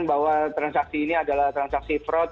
bahwa transaksi ini adalah transaksi fraud